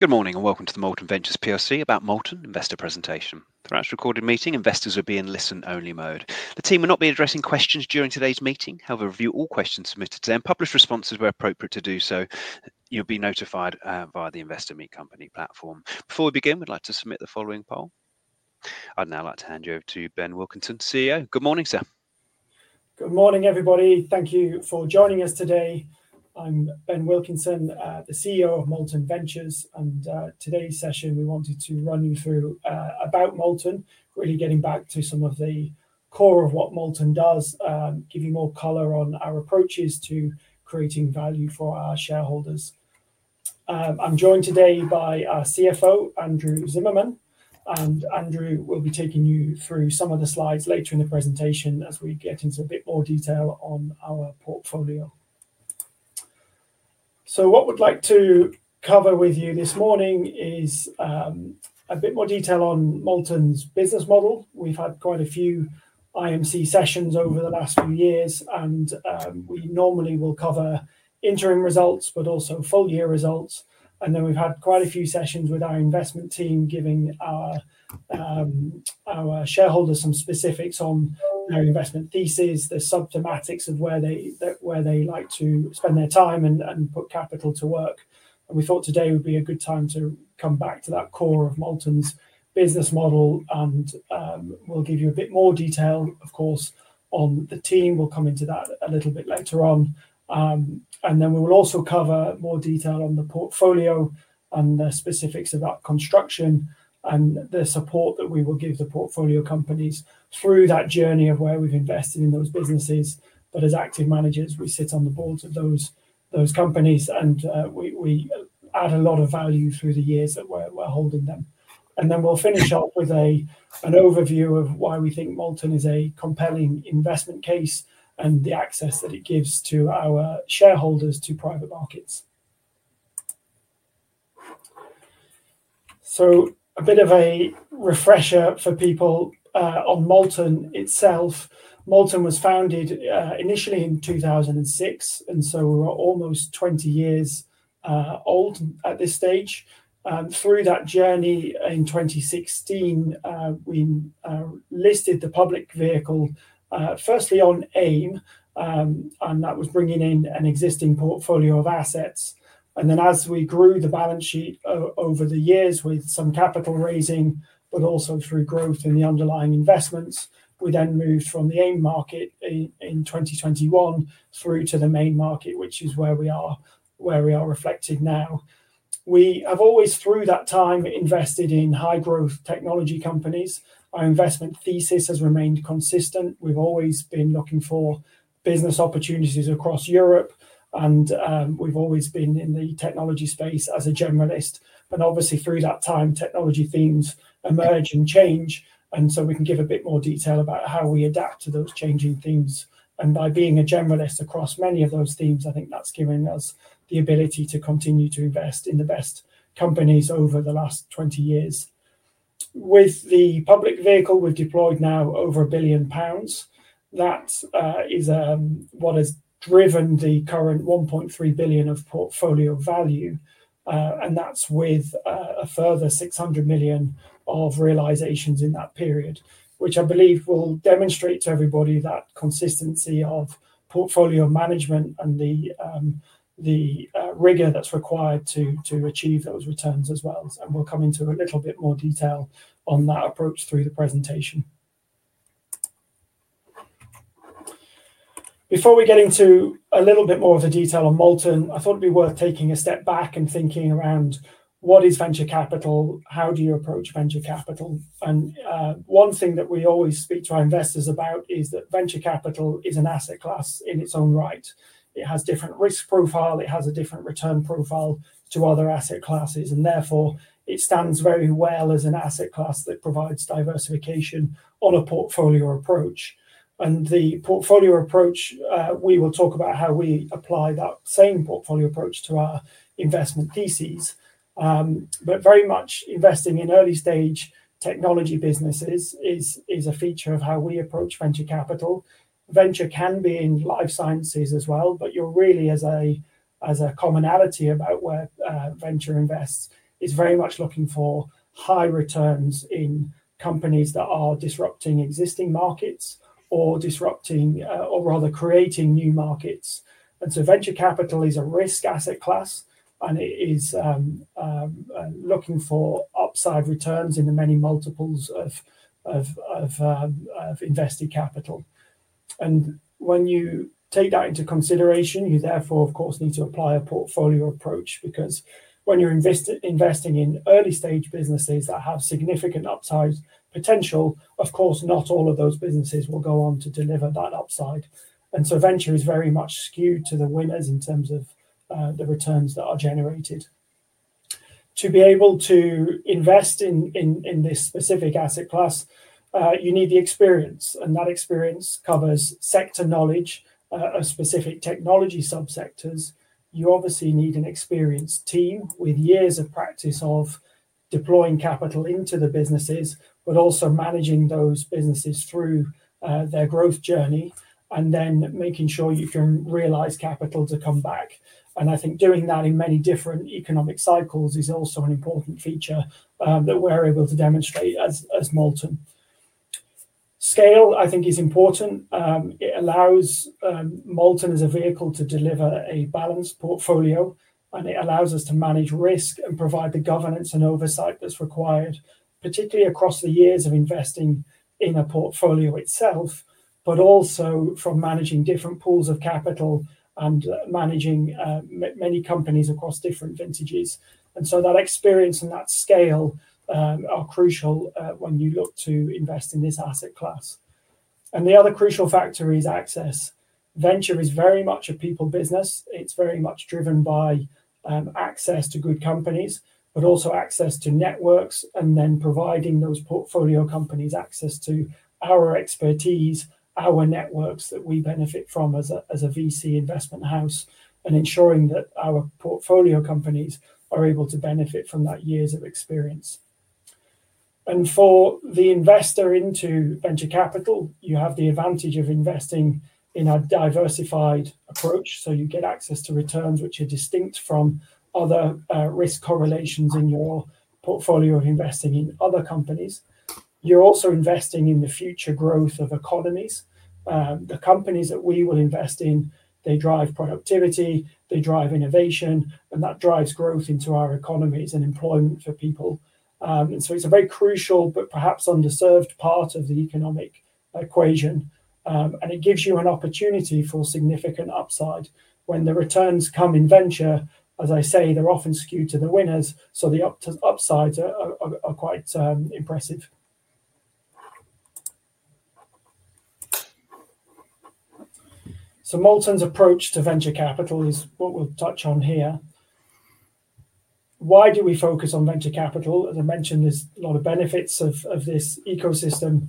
Good morning and welcome to the Molten Ventures POC about Molten Investor Presentation. Throughout this recorded meeting, investors will be in listen-only mode. The team will not be addressing questions during today's meeting. However, review all questions submitted today and publish responses where appropriate to do so. You'll be notified via the Investor Meet Company platform. Before we begin, we'd like to submit the following poll. I'd now like to hand you over to Ben Wilkinson, CEO. Good morning, sir. Good morning, everybody. Thank you for joining us today. I'm Ben Wilkinson, the CEO of Molten Ventures, and today's session we wanted to run you through about Molten, really getting back to some of the core of what Molten does, giving more color on our approaches to creating value for our shareholders. I'm joined today by our CFO, Andrew Zimmermann, and Andrew will be taking you through some of the slides later in the presentation as we get into a bit more detail on our portfolio. What we'd like to cover with you this morning is a bit more detail on Molten's business model. We've had quite a few IMC sessions over the last few years, and we normally will cover interim results, but also full-year results. We have had quite a few sessions with our investment team, giving our shareholders some specifics on their investment thesis, the sub-thematics of where they like to spend their time and put capital to work. We thought today would be a good time to come back to that core of Molten's business model, and we will give you a bit more detail, of course, on the team. We will come into that a little bit later on. We will also cover more detail on the portfolio and the specifics of our construction and the support that we will give the portfolio companies through that journey of where we have invested in those businesses. As active managers, we sit on the boards of those companies, and we add a lot of value through the years that we are holding them. We will finish up with an overview of why we think Molten is a compelling investment case and the access that it gives to our shareholders to private markets. A bit of a refresher for people on Molten itself. Molten was founded initially in 2006, and we are almost 20 years old at this stage. Through that journey in 2016, we listed the public vehicle, firstly on AIM, and that was bringing in an existing portfolio of assets. As we grew the balance sheet over the years with some capital raising, but also through growth in the underlying investments, we then moved from the AIM market in 2021 through to the main market, which is where we are reflected now. We have always, through that time, invested in high-growth technology companies. Our investment thesis has remained consistent. We've always been looking for business opportunities across Europe, and we've always been in the technology space as a generalist. Obviously, through that time, technology themes emerge and change, and we can give a bit more detail about how we adapt to those changing themes. By being a generalist across many of those themes, I think that's given us the ability to continue to invest in the best companies over the last 20 years. With the public vehicle, we've deployed now over 1 billion pounds. That is what has driven the current 1.3 billion of portfolio value, and that's with a further 600 million of realizations in that period, which I believe will demonstrate to everybody that consistency of portfolio management and the rigor that's required to achieve those returns as well. We'll come into a little bit more detail on that approach through the presentation. Before we get into a little bit more of the detail on Molten, I thought it'd be worth taking a step back and thinking around what is venture capital, how do you approach venture capital. One thing that we always speak to our investors about is that venture capital is an asset class in its own right. It has a different risk profile. It has a different return profile to other asset classes, and therefore it stands very well as an asset class that provides diversification on a portfolio approach. The portfolio approach, we will talk about how we apply that same portfolio approach to our investment theses, but very much investing in early-stage technology businesses is a feature of how we approach venture capital. Venture can be in life sciences as well, but you're really, as a commonality about where venture invests, it's very much looking for high returns in companies that are disrupting existing markets or disrupting, or rather creating new markets. Venture capital is a risk asset class, and it is looking for upside returns in the many multiples of invested capital. When you take that into consideration, you therefore, of course, need to apply a portfolio approach because when you're investing in early-stage businesses that have significant upside potential, of course, not all of those businesses will go on to deliver that upside. Venture is very much skewed to the winners in terms of the returns that are generated. To be able to invest in this specific asset class, you need the experience, and that experience covers sector knowledge of specific technology sub-sectors. You obviously need an experienced team with years of practice of deploying capital into the businesses, but also managing those businesses through their growth journey, and then making sure you can realize capital to come back. I think doing that in many different economic cycles is also an important feature that we're able to demonstrate as Molten. Scale, I think, is important. It allows Molten as a vehicle to deliver a balanced portfolio, and it allows us to manage risk and provide the governance and oversight that's required, particularly across the years of investing in a portfolio itself, but also from managing different pools of capital and managing many companies across different vintages. That experience and that scale are crucial when you look to invest in this asset class. The other crucial factor is access. Venture is very much a people business. Is very much driven by access to good companies, but also access to networks and then providing those portfolio companies access to our expertise, our networks that we benefit from as a VC investment house, and ensuring that our portfolio companies are able to benefit from that years of experience. For the investor into venture capital, you have the advantage of investing in a diversified approach, so you get access to returns which are distinct from other risk correlations in your portfolio of investing in other companies. You are also investing in the future growth of economies. The companies that we will invest in, they drive productivity, they drive innovation, and that drives growth into our economies and employment for people. It is a very crucial, but perhaps underserved part of the economic equation, and it gives you an opportunity for significant upside. When the returns come in venture, as I say, they're often skewed to the winners, so the upsides are quite impressive. Molten's approach to venture capital is what we'll touch on here. Why do we focus on venture capital? As I mentioned, there's a lot of benefits of this ecosystem.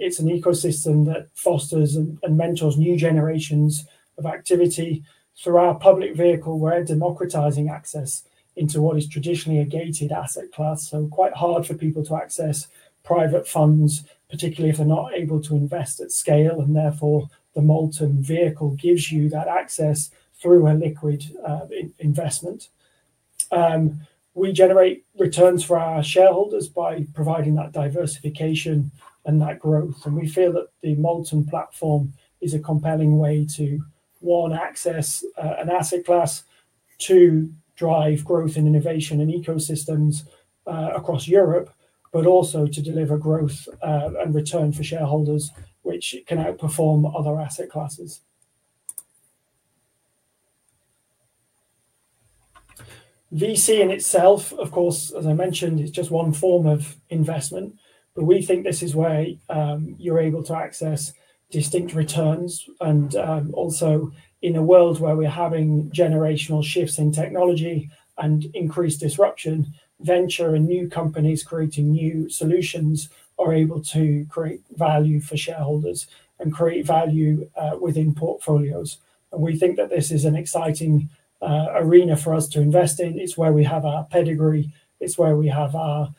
It's an ecosystem that fosters and mentors new generations of activity. Through our public vehicle, we're democratizing access into what is traditionally a gated asset class, so quite hard for people to access private funds, particularly if they're not able to invest at scale, and therefore the Molten vehicle gives you that access through a liquid investment. We generate returns for our shareholders by providing that diversification and that growth, and we feel that the Molten platform is a compelling way to, one, access an asset class to drive growth and innovation and ecosystems across Europe, but also to deliver growth and return for shareholders, which can outperform other asset classes. VC in itself, of course, as I mentioned, is just one form of investment, but we think this is where you're able to access distinct returns. Also, in a world where we're having generational shifts in technology and increased disruption, venture and new companies creating new solutions are able to create value for shareholders and create value within portfolios. We think that this is an exciting arena for us to invest in. It's where we have our pedigree. It's where we have our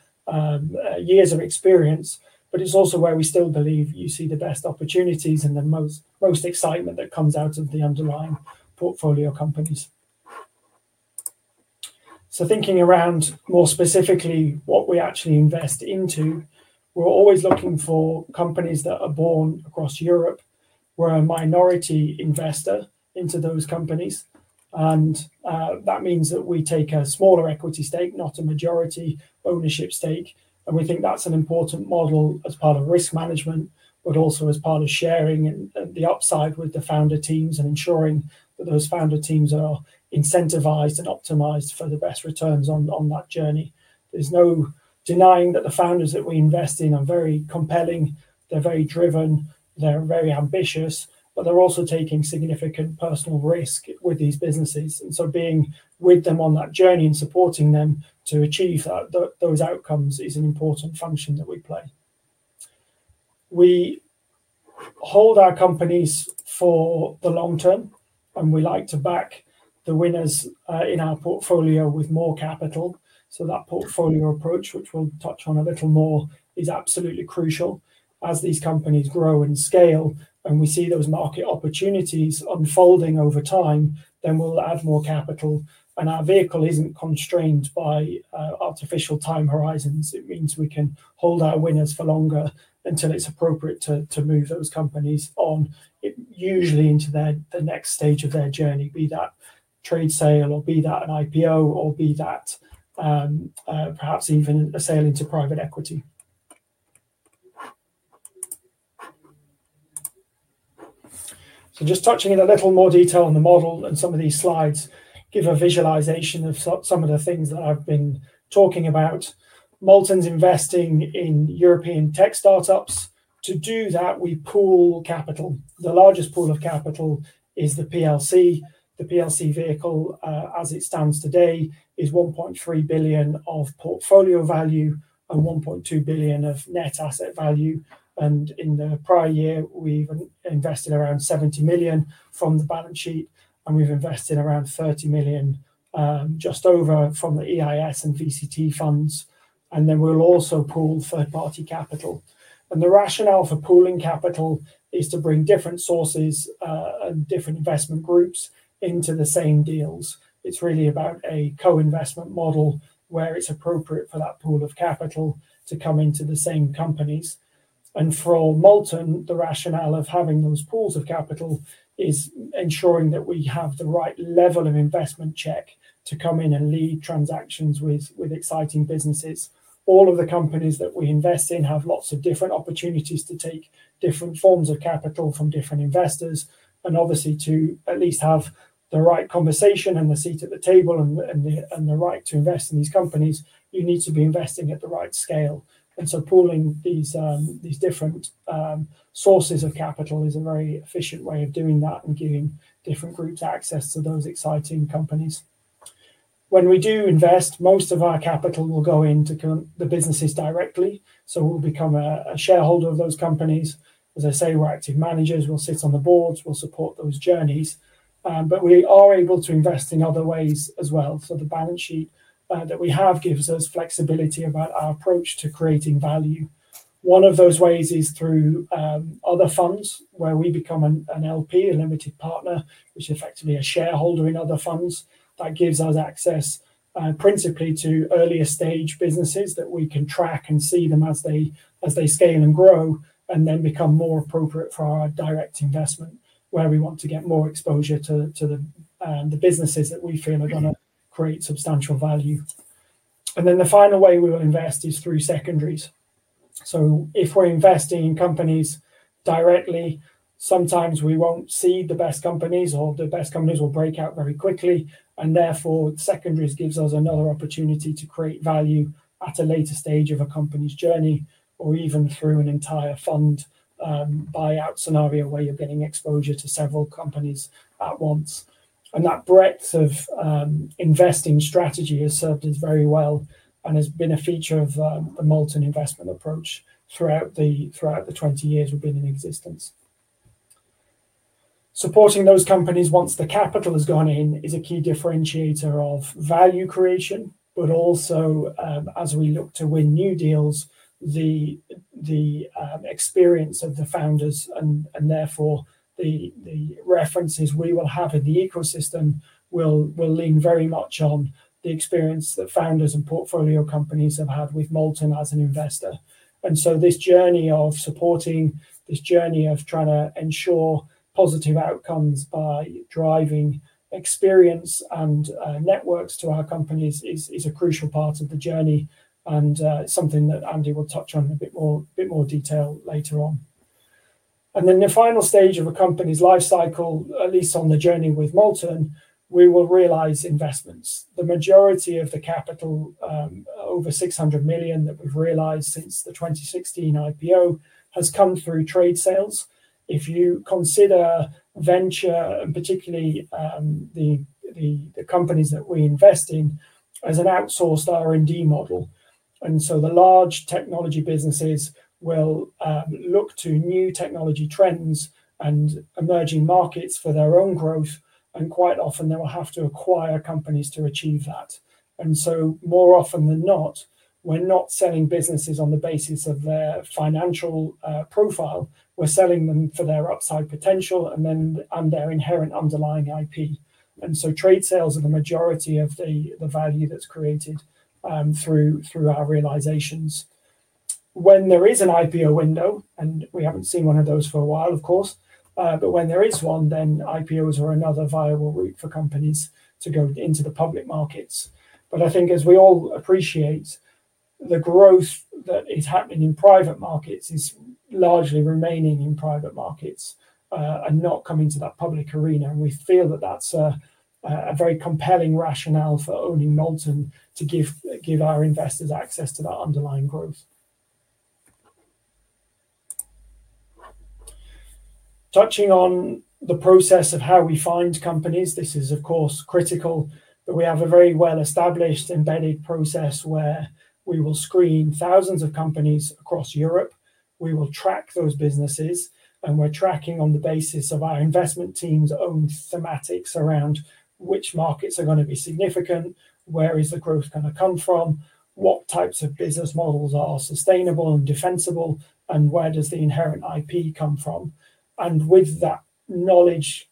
years of experience, but it's also where we still believe you see the best opportunities and the most excitement that comes out of the underlying portfolio companies. Thinking around more specifically what we actually invest into, we're always looking for companies that are born across Europe. We're a minority investor into those companies, and that means that we take a smaller equity stake, not a majority ownership stake, and we think that's an important model as part of risk management, but also as part of sharing the upside with the founder teams and ensuring that those founder teams are incentivized and optimized for the best returns on that journey. There's no denying that the founders that we invest in are very compelling. They're very driven. They're very ambitious, but they're also taking significant personal risk with these businesses. Being with them on that journey and supporting them to achieve those outcomes is an important function that we play. We hold our companies for the long term, and we like to back the winners in our portfolio with more capital. That portfolio approach, which we'll touch on a little more, is absolutely crucial. As these companies grow and scale, and we see those market opportunities unfolding over time, we add more capital. Our vehicle is not constrained by artificial time horizons. It means we can hold our winners for longer until it is appropriate to move those companies on, usually into the next stage of their journey, be that trade sale, an IPO, or perhaps even a sale into private equity. Just touching in a little more detail on the model and some of these slides give a visualization of some of the things that I've been talking about. Molten's investing in European tech startups. To do that, we pool capital. The largest pool of capital is the PLC. The PLC vehicle, as it stands today, is 1.3 billion of portfolio value and 1.2 billion of net asset value. In the prior year, we've invested around 70 million from the balance sheet, and we've invested just over GBP 30 million from the EIS and VCT funds. We also pool third-party capital. The rationale for pooling capital is to bring different sources and different investment groups into the same deals. It's really about a co-investment model where it's appropriate for that pool of capital to come into the same companies. And for Molten, the rationale of having those pools of capital is ensuring that we have the right level of investment check to come in and lead transactions with exciting businesses. All of the companies that we invest in have lots of different opportunities to take different forms of capital from different investors. Obviously, to at least have the right conversation and the seat at the table and the right to invest in these companies, you need to be investing at the right scale. Pooling these different sources of capital is a very efficient way of doing that and giving different groups access to those exciting companies. When we do invest, most of our capital will go into the businesses directly, so we'll become a shareholder of those companies. As I say, we're active managers. We'll sit on the boards. We'll support those journeys. We are able to invest in other ways as well. The balance sheet that we have gives us flexibility about our approach to creating value. One of those ways is through other funds where we become an LP, a limited partner, which is effectively a shareholder in other funds. That gives us access principally to earlier-stage businesses that we can track and see them as they scale and grow and then become more appropriate for our direct investment, where we want to get more exposure to the businesses that we feel are going to create substantial value. The final way we will invest is through secondaries. If we're investing in companies directly, sometimes we won't see the best companies or the best companies will break out very quickly, and therefore secondaries gives us another opportunity to create value at a later stage of a company's journey or even through an entire fund buyout scenario where you're getting exposure to several companies at once. That breadth of investing strategy has served us very well and has been a feature of the Molten investment approach throughout the 20 years we've been in existence. Supporting those companies once the capital has gone in is a key differentiator of value creation, but also as we look to win new deals, the experience of the founders and therefore the references we will have in the ecosystem will lean very much on the experience that founders and portfolio companies have had with Molten as an investor. This journey of supporting, this journey of trying to ensure positive outcomes by driving experience and networks to our companies is a crucial part of the journey and something that Andy will touch on in a bit more detail later on. The final stage of a company's life cycle, at least on the journey with Molten, we will realize investments. The majority of the capital, over 600 million that we've realized since the 2016 IPO, has come through trade sales. If you consider venture, and particularly the companies that we invest in, as an outsourced R&D model. The large technology businesses will look to new technology trends and emerging markets for their own growth, and quite often they will have to acquire companies to achieve that. More often than not, we're not selling businesses on the basis of their financial profile. We're selling them for their upside potential and their inherent underlying IP. Trade sales are the majority of the value that's created through our realizations. When there is an IPO window, and we haven't seen one of those for a while, of course, when there is one, IPOs are another viable route for companies to go into the public markets. I think as we all appreciate, the growth that is happening in private markets is largely remaining in private markets and not coming to that public arena. We feel that that's a very compelling rationale for owning Molten to give our investors access to that underlying growth. Touching on the process of how we find companies, this is, of course, critical, but we have a very well-established embedded process where we will screen thousands of companies across Europe. We will track those businesses, and we're tracking on the basis of our investment team's own thematics around which markets are going to be significant, where is the growth going to come from, what types of business models are sustainable and defensible, and where does the inherent IP come from. With that knowledge,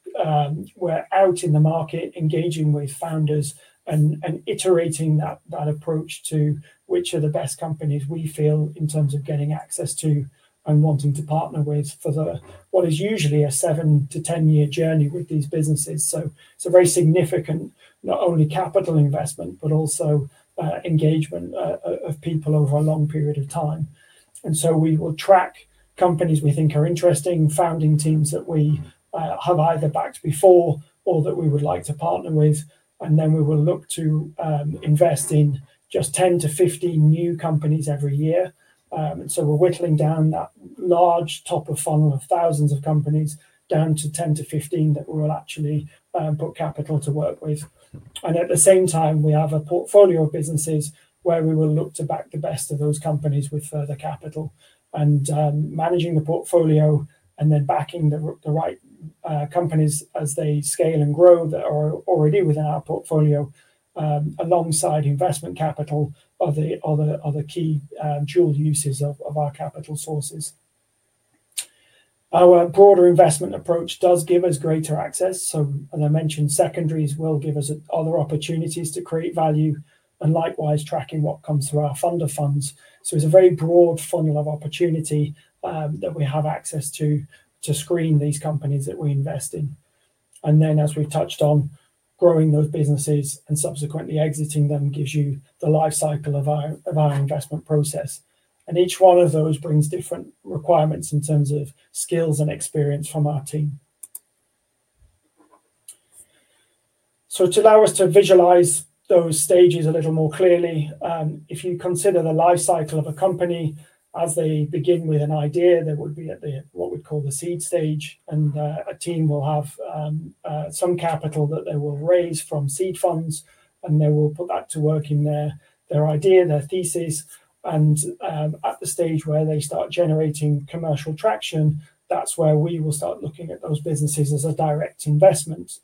we're out in the market engaging with founders and iterating that approach to which are the best companies we feel in terms of getting access to and wanting to partner with for what is usually a 7-10 year journey with these businesses. It is a very significant, not only capital investment, but also engagement of people over a long period of time. So, we will track companies we think are interesting, founding teams that we have either backed before or that we would like to partner with, and we will look to invest in just 10 to 15 new companies every year. We are whittling down that large top of funnel of thousands of companies down to 10 to 15 that we will actually put capital to work with. At the same time, we have a portfolio of businesses where we will look to back the best of those companies with further capital. Managing the portfolio and then backing the right companies as they scale and grow that are already within our portfolio alongside investment capital are the key dual uses of our capital sources. Our broader investment approach does give us greater access. As I mentioned, secondaries will give us other opportunities to create value and likewise tracking what comes through our fund of funds. It is a very broad funnel of opportunity that we have access to to screen these companies that we invest in. As we've touched on, growing those businesses and subsequently exiting them gives you the life cycle of our investment process. Each one of those brings different requirements in terms of skills and experience from our team. To allow us to visualize those stages a little more clearly, if you consider the life cycle of a company as they begin with an idea, there would be what we'd call the seed stage, and a team will have some capital that they will raise from seed funds, and they will put that to work in their idea, their thesis. At the stage where they start generating commercial traction, that's where we will start looking at those businesses as a direct investment.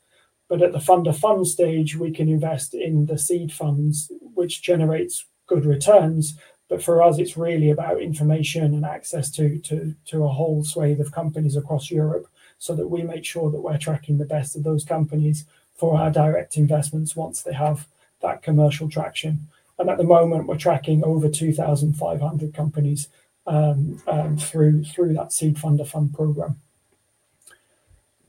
At the fund of funds stage, we can invest in the seed funds, which generates good returns. For us, it's really about information and access to a whole swath of companies across Europe so that we make sure that we're tracking the best of those companies for our direct investments once they have that commercial traction. At the moment, we're tracking over 2,500 companies through that seed fund of fund program.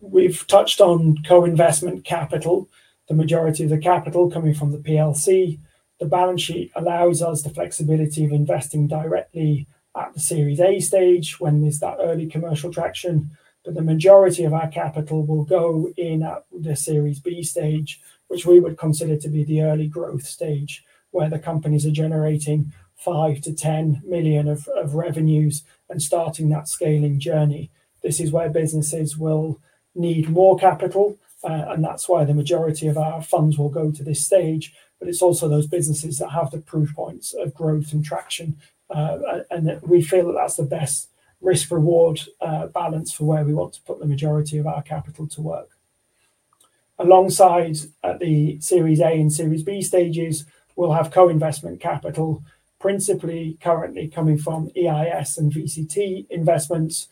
We've touched on co-investment capital, the majority of the capital coming from the public limited company. The balance sheet allows us the flexibility of investing directly at the Series A stage when there's that early commercial traction, but the majority of our capital will go in at the Series B stage, which we would consider to be the early growth stage where the companies are generating 5 million-10 million of revenues and starting that scaling journey. This is where businesses will need more capital, and that is why the majority of our funds will go to this stage. It is also those businesses that have the proof points of growth and traction, and we feel that that is the best risk-reward balance for where we want to put the majority of our capital to work. Alongside the Series A and Series B stages, we will have co-investment capital, principally currently coming from EIS and VCT investments,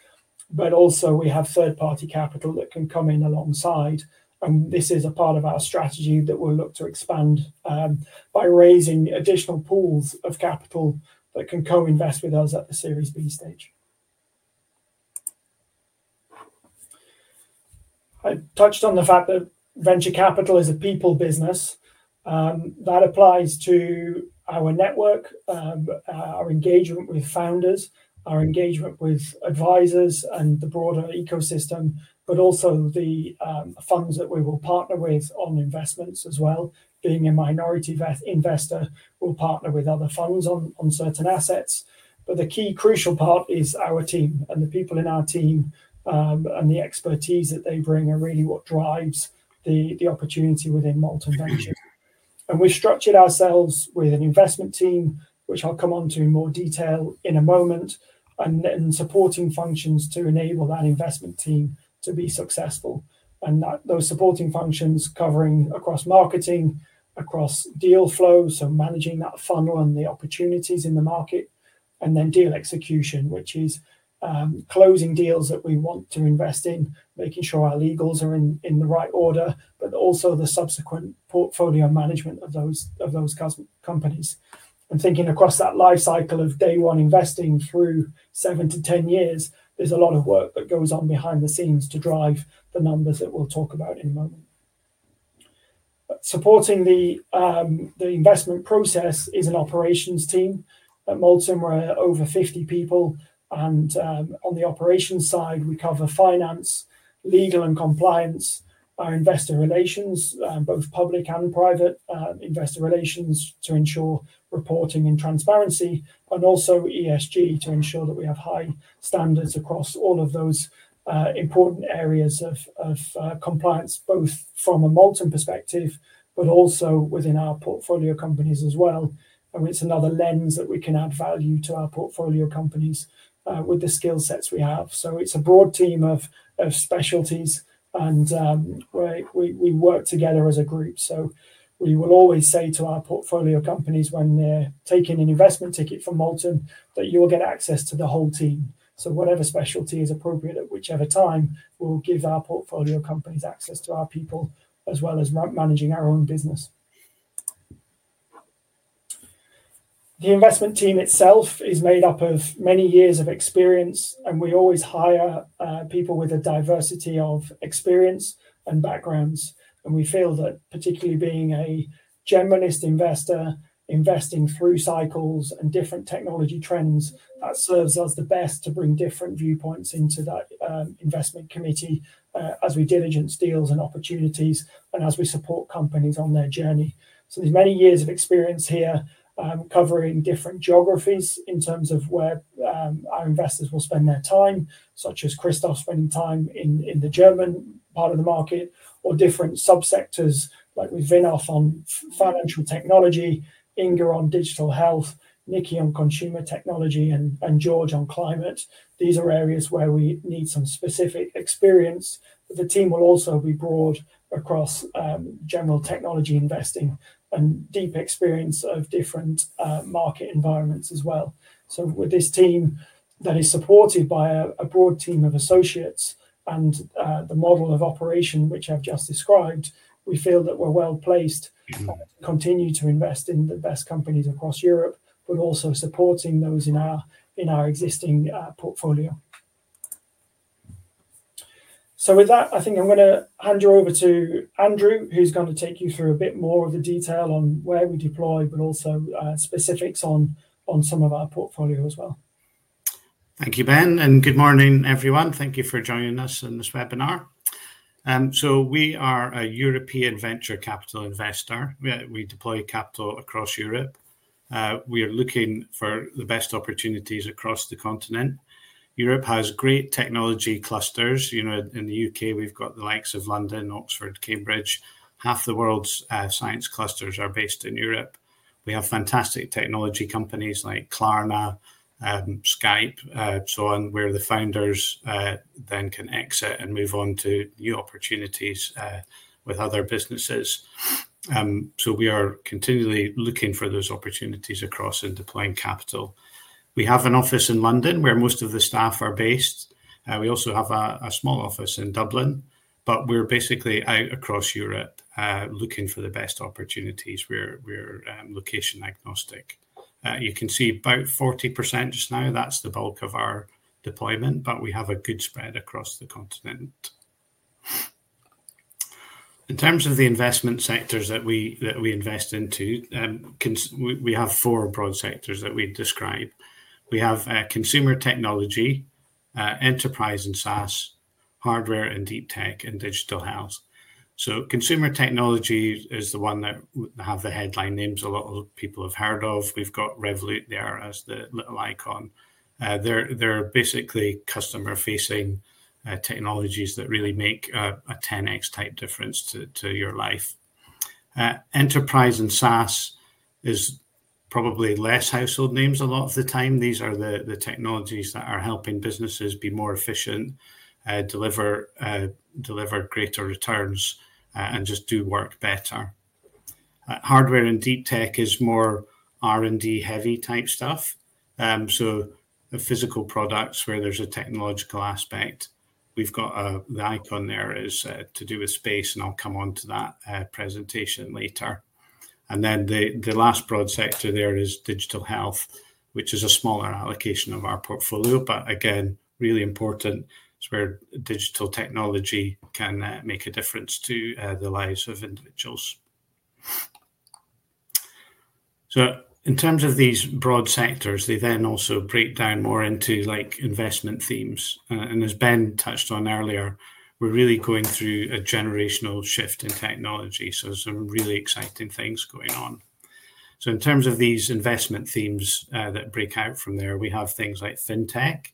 but also we have third-party capital that can come in alongside. This is a part of our strategy that we'll look to expand by raising additional pools of capital that can co-invest with us at the Series B stage. I touched on the fact that venture capital is a people business. That applies to our network, our engagement with founders, our engagement with advisors and the broader ecosystem, but also the funds that we will partner with on investments as well. Being a minority investor, we'll partner with other funds on certain assets. The key crucial part is our team and the people in our team and the expertise that they bring are really what drives the opportunity within Molten Ventures. We've structured ourselves with an investment team, which I'll come on to in more detail in a moment, and then supporting functions to enable that investment team to be successful. Those supporting functions cover across marketing, across deal flows, so managing that funnel and the opportunities in the market, and then deal execution, which is closing deals that we want to invest in, making sure our legals are in the right order, but also the subsequent portfolio management of those companies. Thinking across that life cycle of day one investing through 7 to 10 years, there is a lot of work that goes on behind the scenes to drive the numbers that we will talk about in a moment. Supporting the investment process is an operations team. At Molten, we are over 50 people. On the operations side, we cover finance, legal and compliance, our investor relations, both public and private investor relations to ensure reporting and transparency, and also ESG to ensure that we have high standards across all of those important areas of compliance, both from a Molten perspective, but also within our portfolio companies as well. It is another lens that we can add value to our portfolio companies with the skill sets we have. It is a broad team of specialties, and we work together as a group. We will always say to our portfolio companies when they're taking an investment ticket from Molten that you will get access to the whole team. Whatever specialty is appropriate at whichever time, we'll give our portfolio companies access to our people as well as managing our own business. The investment team itself is made up of many years of experience, and we always hire people with a diversity of experience and backgrounds. We feel that particularly being a generous investor, investing through cycles and different technology trends, that serves us the best to bring different viewpoints into that investment committee as we diligence deals and opportunities and as we support companies on their journey. There are many years of experience here covering different geographies in terms of where our investors will spend their time, such as Christos spending time in the German part of the market or different subsectors like with Vinoth on financial technology, Inga on digital health, Niki on consumer technology, and George on climate. These are areas where we need some specific experience. The team will also be broad across general technology investing and deep experience of different market environments as well. With this team that is supported by a broad team of associates and the model of operation which I've just described, we feel that we're well placed to continue to invest in the best companies across Europe, but also supporting those in our existing portfolio. With that, I think I'm going to hand you over to Andrew, who's going to take you through a bit more of the detail on where we deploy, but also specifics on some of our portfolio as well. Thank you, Ben. Good morning, everyone. Thank you for joining us in this webinar. We are a European venture capital investor. We deploy capital across Europe. We are looking for the best opportunities across the continent. Europe has great technology clusters. In the U.K., we've got the likes of London, Oxford, Cambridge. Half the world's science clusters are based in Europe. We have fantastic technology companies like Klarna, Skype, so on, where the founders then can exit and move on to new opportunities with other businesses. We are continually looking for those opportunities across and deploying capital. We have an office in London where most of the staff are based. We also have a small office in Dublin, but we are basically out across Europe looking for the best opportunities. We are location agnostic. You can see about 40% just now. That is the bulk of our deployment, but we have a good spread across the continent. In terms of the investment sectors that we invest into, we have four broad sectors that we describe. We have consumer technology, enterprise and SaaS, hardware and deep tech, and digital health. Consumer technology is the one that has the headline names a lot of people have heard of. We've got Revolut there as the little icon. They're basically customer-facing technologies that really make a 10x type difference to your life. Enterprise and SaaS is probably less household names a lot of the time. These are the technologies that are helping businesses be more efficient, deliver greater returns, and just do work better. Hardware and deep tech is more R&D-heavy type stuff. The physical products where there's a technological aspect. We've got the icon there is to do with space, and I'll come on to that presentation later. The last broad sector there is digital health, which is a smaller allocation of our portfolio, but again, really important is where digital technology can make a difference to the lives of individuals. In terms of these broad sectors, they then also break down more into investment themes. As Ben touched on earlier, we're really going through a generational shift in technology. There are some really exciting things going on. In terms of these investment themes that break out from there, we have things like fintech.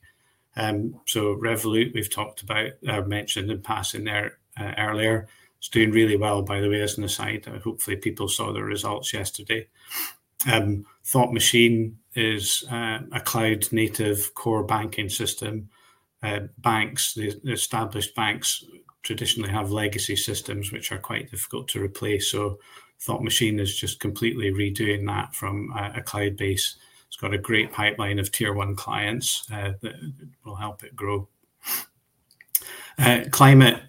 Revolut, we've talked about or mentioned in passing there earlier, is doing really well, by the way, as an aside. Hopefully, people saw the results yesterday. Thought Machine is a cloud-native core banking system. Banks, the established banks, traditionally have legacy systems which are quite difficult to replace. Thought Machine is just completely redoing that from a cloud base. It's got a great pipeline of tier one clients that will help it grow. Climate,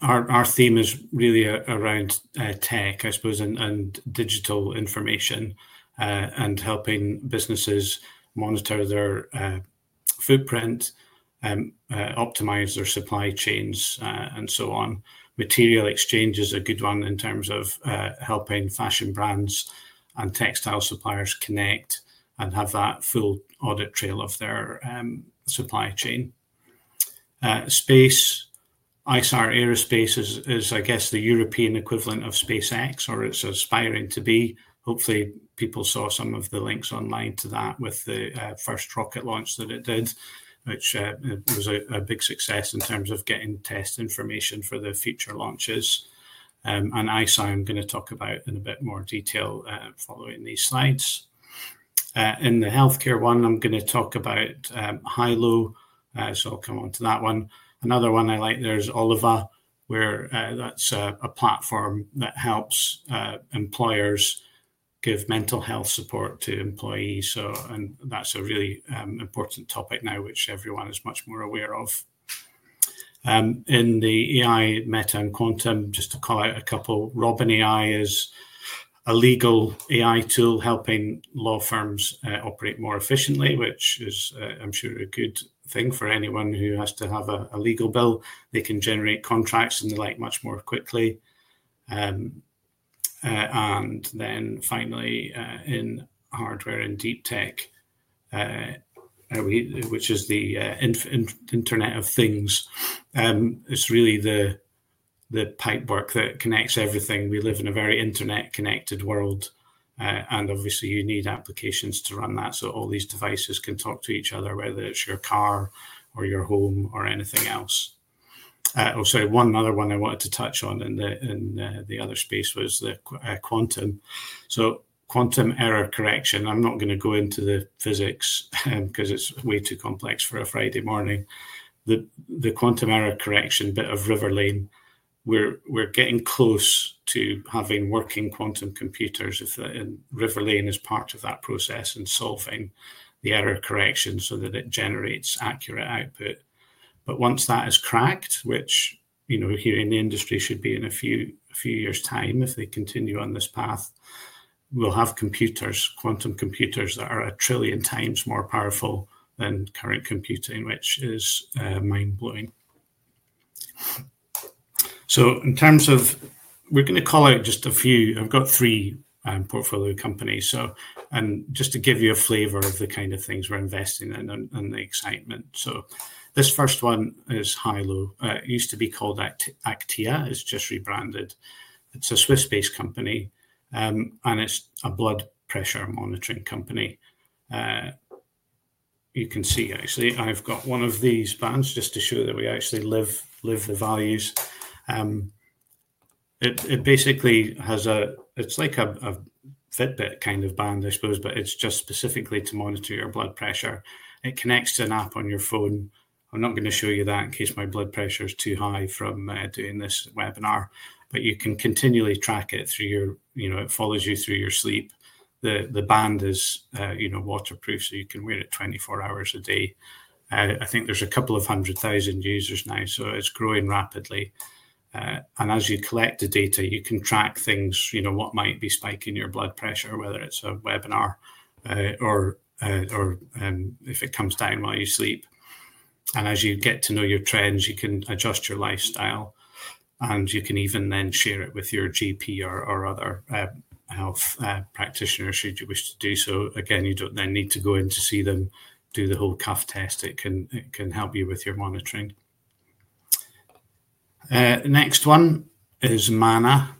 our theme is really around tech, I suppose, and digital information and helping businesses monitor their footprint, optimize their supply chains, and so on. Material Exchange is a good one in terms of helping fashion brands and textile suppliers connect and have that full audit trail of their supply chain. Space, Isar Aerospace is, I guess, the European equivalent of SpaceX, or it's aspiring to be. Hopefully, people saw some of the links online to that with the first rocket launch that it did, which was a big success in terms of getting test information for the future launches. Isar, I'm going to talk about in a bit more detail following these slides. In the healthcare one, I'm going to talk about HiLo, so I'll come on to that one. Another one I like, there's Oliva, where that's a platform that helps employers give mental health support to employees. That's a really important topic now, which everyone is much more aware of. In the AI, meta, and quantum, just to call out a couple, Robin AI is a legal AI tool helping law firms operate more efficiently, which is, I'm sure, a good thing for anyone who has to have a legal bill. They can generate contracts and the like much more quickly. Finally, in hardware and deep tech, which is the internet of things, it's really the pipework that connects everything. We live in a very internet-connected world, and obviously, you need applications to run that so all these devices can talk to each other, whether it's your car or your home or anything else. Oh, sorry, one other one I wanted to touch on in the other space was the quantum. Quantum error correction. I'm not going to go into the physics because it's way too complex for a Friday morning. The quantum error correction bit of Riverlane, we're getting close to having working quantum computers in Riverlane as part of that process and solving the error correction so that it generates accurate output. Once that is cracked, which here in the industry should be in a few years' time if they continue on this path, we'll have computers, quantum computers that are a trillion times more powerful than current computing, which is mind-blowing. In terms of, we're going to call out just a few. I've got three portfolio companies. Just to give you a flavor of the kind of things we're investing in and the excitement. This first one is HiLo. It used to be called Aktiia. It's just rebranded. It's a Swiss-based company, and it's a blood pressure monitoring company. You can see, actually, I've got one of these bands just to show that we actually live the values. It basically has a, it's like a Fitbit kind of band, I suppose, but it's just specifically to monitor your blood pressure. It connects to an app on your phone. I'm not going to show you that in case my blood pressure is too high from doing this webinar, but you can continually track it through your, it follows you through your sleep. The band is waterproof, so you can wear it 24 hours a day. I think there's a couple of hundred thousand users now, so it's growing rapidly. As you collect the data, you can track things, what might be spiking your blood pressure, whether it's a webinar or if it comes down while you sleep. As you get to know your trends, you can adjust your lifestyle, and you can even then share it with your GP or other health practitioners should you wish to do so. You do not then need to go in to see them, do the whole cuff test. It can help you with your monitoring. The next one is Manna.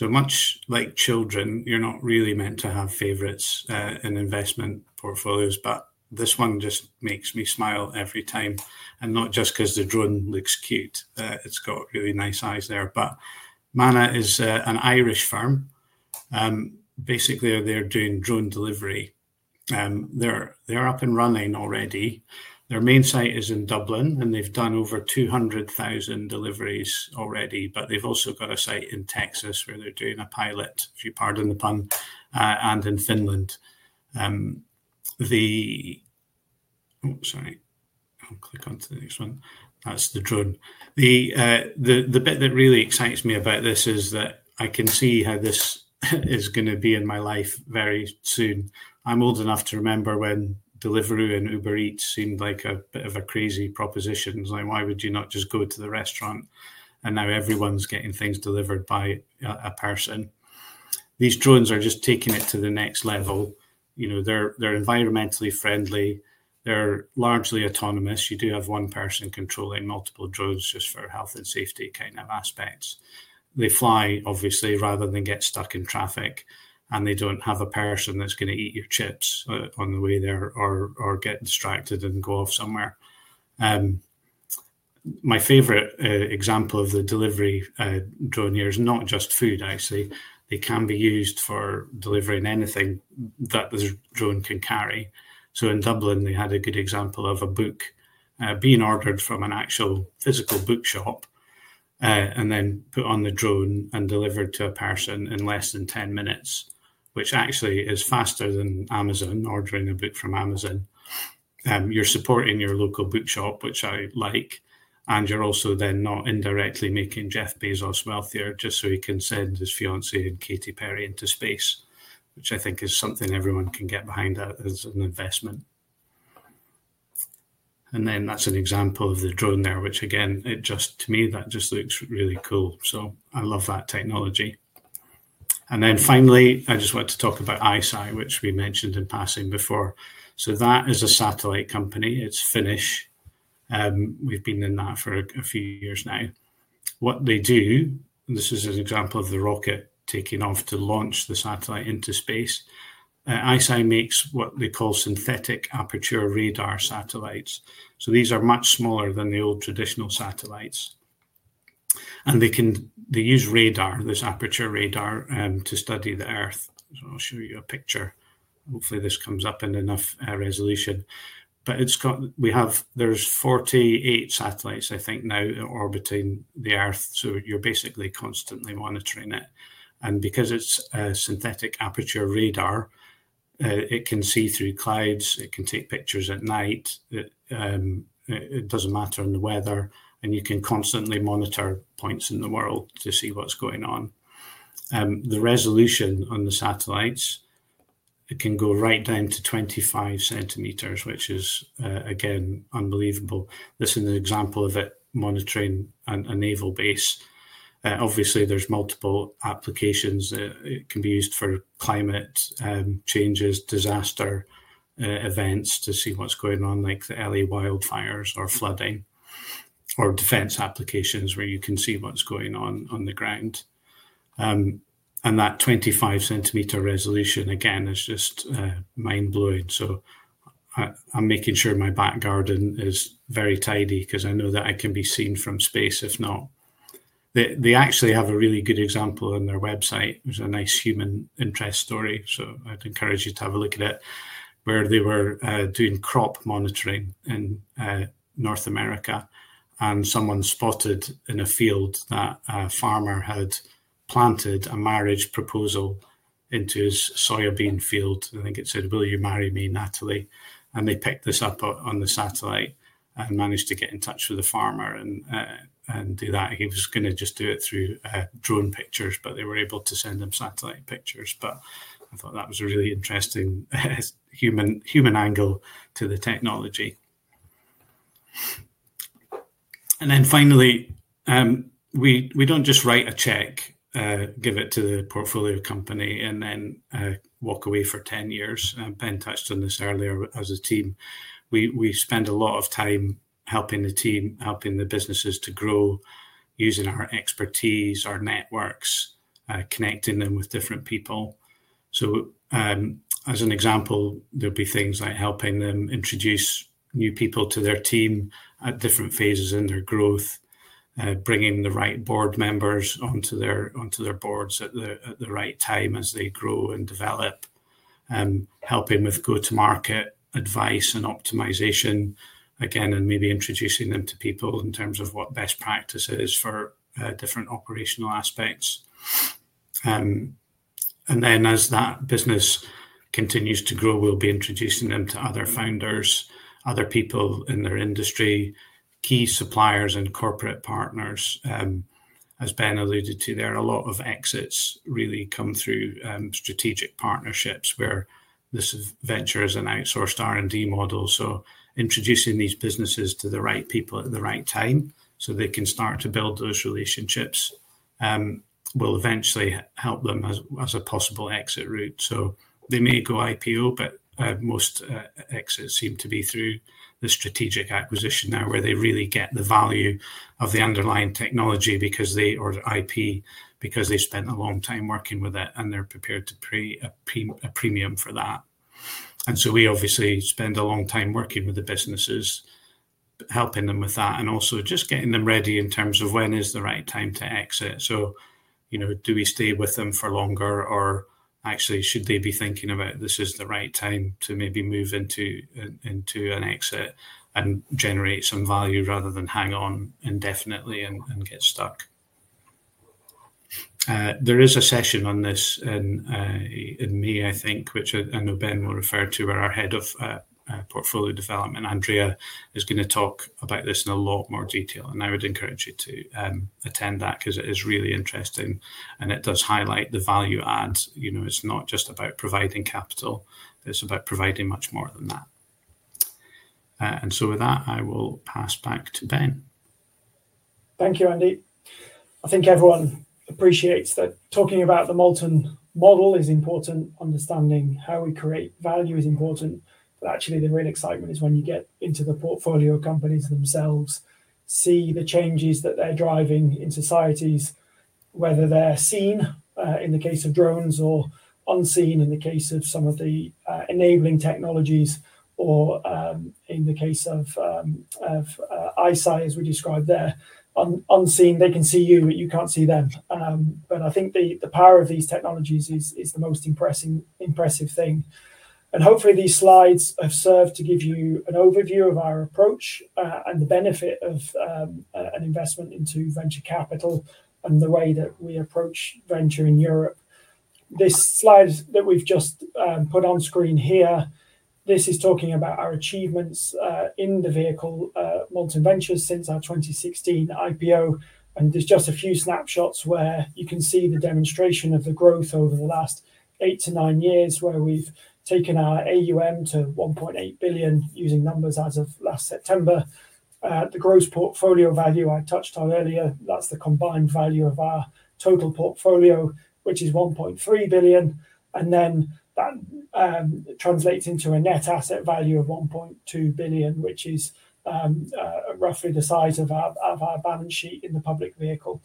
Much like children, you are not really meant to have favorites in investment portfolios, but this one just makes me smile every time. Not just because the drone looks cute. It has really nice eyes there. Mana is an Irish firm. Basically, they are doing drone delivery. They are up and running already. Their main site is in Dublin, and they have done over 200,000 deliveries already, but they have also got a site in Texas where they are doing a pilot, if you pardon the pun, and in Finland. Oh, sorry. I'll click onto the next one. That's the drone. The bit that really excites me about this is that I can see how this is going to be in my life very soon. I'm old enough to remember when Deliveroo and Uber Eats seemed like a bit of a crazy proposition. It's like, why would you not just go to the restaurant? Now everyone's getting things delivered by a person. These drones are just taking it to the next level. They're environmentally friendly. They're largely autonomous. You do have one person controlling multiple drones just for health and safety kind of aspects. They fly, obviously, rather than get stuck in traffic, and they don't have a person that's going to eat your chips on the way there or get distracted and go off somewhere. My favorite example of the delivery drone here is not just food, actually. They can be used for delivering anything that the drone can carry. In Dublin, they had a good example of a book being ordered from an actual physical bookshop and then put on the drone and delivered to a person in less than 10 minutes, which actually is faster than Amazon ordering a book from Amazon. You're supporting your local bookshop, which I like, and you're also then not indirectly making Jeff Bezos wealthier just so he can send his fiancée and Katy Perry into space, which I think is something everyone can get behind as an investment. That's an example of the drone there, which again, to me, that just looks really cool. I love that technology. Finally, I just want to talk about Isar, which we mentioned in passing before. That is a satellite company. It's Finnish. We've been in that for a few years now. What they do, and this is an example of the rocket taking off to launch the satellite into space, ISAR makes what they call synthetic aperture radar satellites. These are much smaller than the old traditional satellites. They use radar, this aperture radar, to study the Earth. I'll show you a picture. Hopefully, this comes up in enough resolution. There are 48 satellites, I think, now orbiting the Earth. You're basically constantly monitoring it. Because it's a synthetic aperture radar, it can see through clouds. It can take pictures at night. It doesn't matter in the weather. You can constantly monitor points in the world to see what's going on. The resolution on the satellites, it can go right down to 25 centimeters, which is, again, unbelievable. This is an example of it monitoring a naval base. Obviously, there's multiple applications. It can be used for climate changes, disaster events to see what's going on, like the LA wildfires or flooding or defense applications where you can see what's going on on the ground. That 25-centimeter resolution, again, is just mind-blowing. I'm making sure my back garden is very tidy because I know that I can be seen from space if not. They actually have a really good example on their website. There's a nice human interest story. I'd encourage you to have a look at it, where they were doing crop monitoring in North America. Someone spotted in a field that a farmer had planted a marriage proposal into his soybean field. I think it said, "Will you marry me, Natalie?" They picked this up on the satellite and managed to get in touch with the farmer and do that. He was going to just do it through drone pictures, but they were able to send him satellite pictures. I thought that was a really interesting human angle to the technology. And finally, we do not just write a check, give it to the portfolio company, and then walk away for 10 years. Ben touched on this earlier as a team. We spend a lot of time helping the team, helping the businesses to grow using our expertise, our networks, connecting them with different people. As an example, there'll be things like helping them introduce new people to their team at different phases in their growth, bringing the right board members onto their boards at the right time as they grow and develop, helping with go-to-market advice and optimization, again, and maybe introducing them to people in terms of what best practice is for different operational aspects. As that business continues to grow, we'll be introducing them to other founders, other people in their industry, key suppliers, and corporate partners. As Ben alluded to, a lot of exits really come through strategic partnerships where this venture is an outsourced R&D model. Introducing these businesses to the right people at the right time so they can start to build those relationships will eventually help them as a possible exit route. They may go IPO, but most exits seem to be through the strategic acquisition now where they really get the value of the underlying technology or IP because they spent a long time working with it, and they're prepared to pay a premium for that. We obviously spend a long time working with the businesses, helping them with that, and also just getting them ready in terms of when is the right time to exit. Do we stay with them for longer, or actually, should they be thinking about this is the right time to maybe move into an exit and generate some value rather than hang on indefinitely and get stuck? There is a session on this in May, I think, which I know Ben will refer to, where our Head of Portfolio Development, Andrea, is going to talk about this in a lot more detail. I would encourage you to attend that because it is really interesting, and it does highlight the value add. It is not just about providing capital. It is about providing much more than that. With that, I will pass back to Ben. Thank you, Andy. I think everyone appreciates that talking about the Molten Model is important, understanding how we create value is important. Actually, the real excitement is when you get into the portfolio companies themselves, see the changes that they're driving in societies, whether they're seen in the case of drones or unseen in the case of some of the enabling technologies or in the case of ISAR, as we described there. Unseen, they can see you, but you can't see them. I think the power of these technologies is the most impressive thing. Hopefully, these slides have served to give you an overview of our approach and the benefit of an investment into venture capital and the way that we approach venture in Europe. This slide that we've just put on screen here, this is talking about our achievements in the vehicle Molten Ventures since our 2016 IPO. There are just a few snapshots where you can see the demonstration of the growth over the last eight to nine years where we have taken our AUM to 1.8 billion using numbers as of last September. The gross portfolio value I touched on earlier, that is the combined value of our total portfolio, which is 1.3 billion. That translates into a net asset value of 1.2 billion, which is roughly the size of our balance sheet in the public vehicle.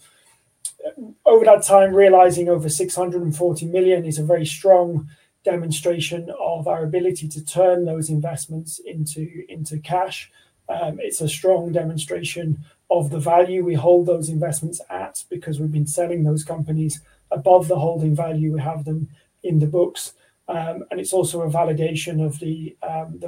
Over that time, realizing over 640 million is a very strong demonstration of our ability to turn those investments into cash. It is a strong demonstration of the value we hold those investments at because we have been selling those companies above the holding value we have them in the books. It is also a validation of the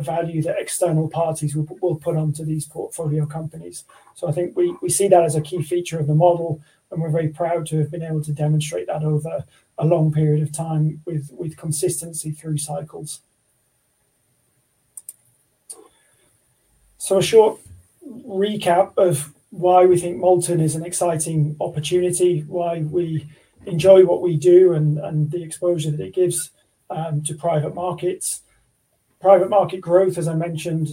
value that external parties will put onto these portfolio companies. I think we see that as a key feature of the model, and we're very proud to have been able to demonstrate that over a long period of time with consistency through cycles. A short recap of why we think Molten is an exciting opportunity, why we enjoy what we do, and the exposure that it gives to private markets. Private market growth, as I mentioned,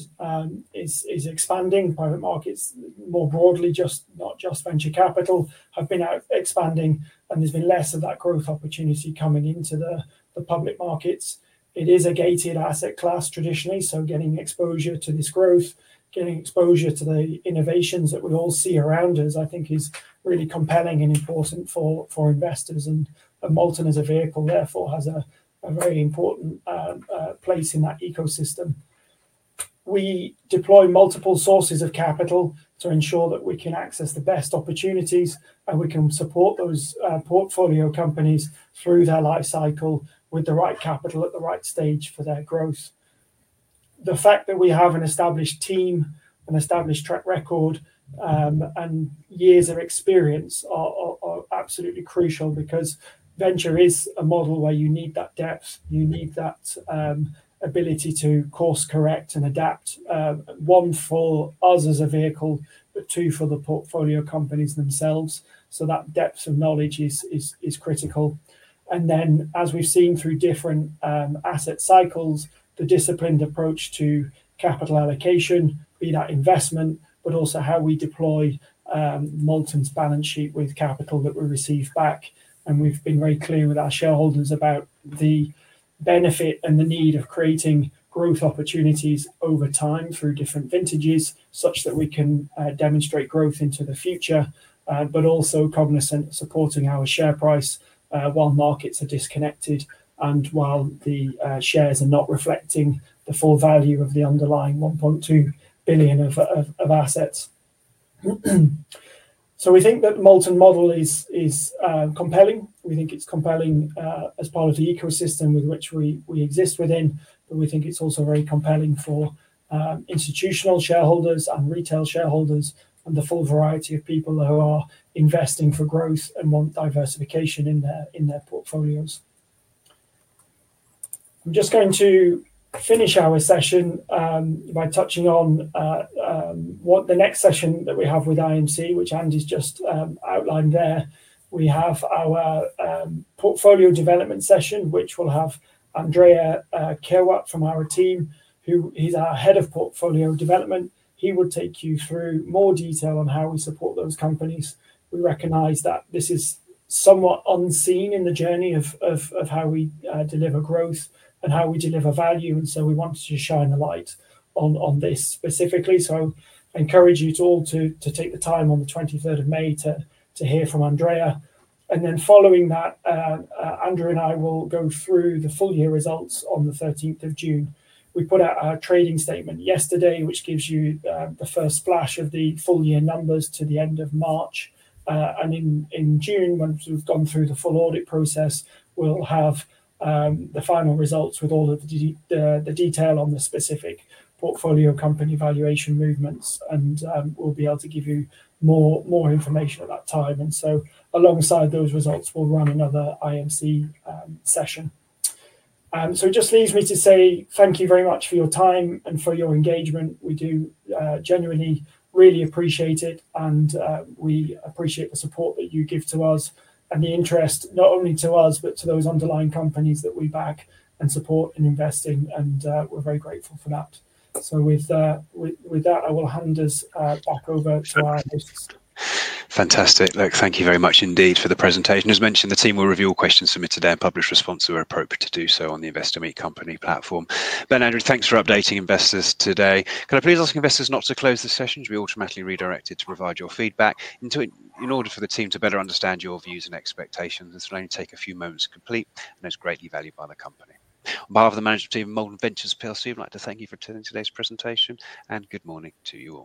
is expanding. Private markets, more broadly, not just venture capital, have been expanding, and there's been less of that growth opportunity coming into the public markets. It is a gated asset class traditionally, so getting exposure to this growth, getting exposure to the innovations that we all see around us, I think, is really compelling and important for investors. Molten as a vehicle, therefore, has a very important place in that ecosystem. We deploy multiple sources of capital to ensure that we can access the best opportunities, and we can support those portfolio companies through their life cycle with the right capital at the right stage for their growth. The fact that we have an established team and established track record and years of experience are absolutely crucial because venture is a model where you need that depth. You need that ability to course correct and adapt, one for us as a vehicle, but two for the portfolio companies themselves. That depth of knowledge is critical. As we have seen through different asset cycles, the disciplined approach to capital allocation, be that investment, but also how we deploy Molten's balance sheet with capital that we receive back. We have been very clear with our shareholders about the benefit and the need of creating growth opportunities over time through different vintages such that we can demonstrate growth into the future, but also cognizant of supporting our share price while markets are disconnected and while the shares are not reflecting the full value of the underlying 1.2 billion of assets. We think that the Molten model is compelling. We think it is compelling as part of the ecosystem with which we exist within. We think it is also very compelling for institutional shareholders and retail shareholders and the full variety of people who are investing for growth and want diversification in their portfolios. I am just going to finish our session by touching on the next session that we have with IMC, which Andy has just outlined there. We have our portfolio development session, which will have Andrea Kerwat from our team, who is our Head of Portfolio Development. He will take you through more detail on how we support those companies. We recognize that this is somewhat unseen in the journey of how we deliver growth and how we deliver value. We want to shine a light on this specifically. I encourage you all to take the time on the 23rd of May to hear from Andrea. Following that, Andrew and I will go through the full year results on the 13th of June. We put out our trading statement yesterday, which gives you the first flash of the full year numbers to the end of March. In June, once we've gone through the full audit process, we'll have the final results with all of the detail on the specific portfolio company valuation movements. We'll be able to give you more information at that time. Alongside those results, we'll run another IMC session. It just leaves me to say thank you very much for your time and for your engagement. We do genuinely really appreciate it. We appreciate the support that you give to us and the interest, not only to us, but to those underlying companies that we back and support and invest in. We're very grateful for that. With that, I will hand us back over to our investors. Fantastic. Look, thank you very much indeed for the presentation. As mentioned, the team will review all questions submitted today and publish responses where appropriate to do so on the Investor Meet Company platform. Ben, Andrew, thanks for updating investors today. Can I please ask investors not to close the sessions? You will be automatically redirected to provide your feedback in order for the team to better understand your views and expectations. This will only take a few moments to complete, and it's greatly valued by the company. On behalf of the management team of Molten Ventures, we'd like to thank you for attending today's presentation. Good morning to you all.